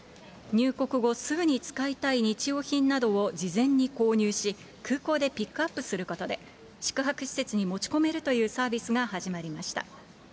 入国後、すぐに使いたい日用品などを事前に購入し、空港でピックアップすることで、宿泊施設に持ち込めるというサービスが始まりました。